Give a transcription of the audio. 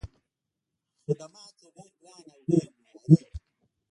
خدمات یې ډېر ګران او غیر معیاري وي.